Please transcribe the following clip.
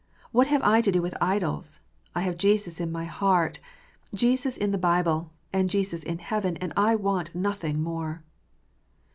What have I to do with idols ? I have Jesus in my heart, Jesus in the Bible, and Jesus in heaven, and I want nothing more